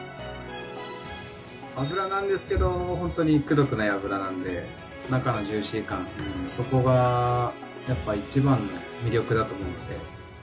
脂なんですけど本当にくどくない脂なので中のジューシー感というのがそこが一番の魅力だと思って。